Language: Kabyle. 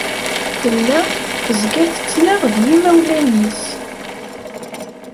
Tella tezga tettnaɣ d yimawlan-is.